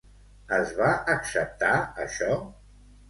Es va acceptar això?